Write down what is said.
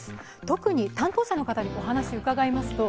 特に担当者の方にお話を伺いました。